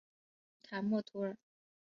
卡默图尔。